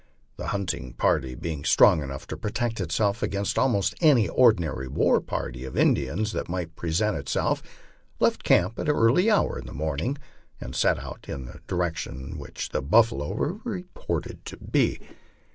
The hunting party, being strong enough to pro tect itself against almost any ordinary war party of Indians that might present itself, left camp at an early hour in the morning and set out in the direction in which the buffalo were reported to be.